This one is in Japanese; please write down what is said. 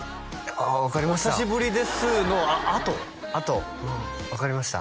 ああ分かりました「お久しぶりです」のあとあと分かりました